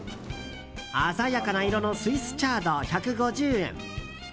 鮮やかな色のスイスチャード、１５０円。